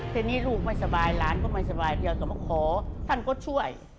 ทีนี้ลูกไม่สบายหลานก็ไม่สบายเดียวก็มาขอท่านก็ช่วย